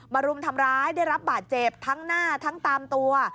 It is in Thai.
รุมทำร้ายได้รับบาดเจ็บทั้งหน้าทั้งตามตัว